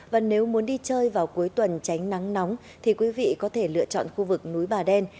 và nếu muốn đi chơi vào cuối tuần tránh nắng nóng thì quý vị có thể lựa chọn khu vực núi bà đen